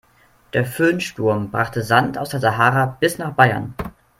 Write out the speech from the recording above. Der Föhnsturm brachte Sand aus der Sahara bis nach Bayern.